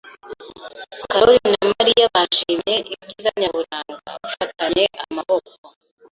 Karoli na Mariya bashimye ibyiza nyaburanga bafatanye amaboko.